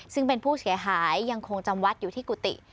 ซึ่งเป็นผู้เสียหายยังคงจำวัดอยู่ที่กุฏิ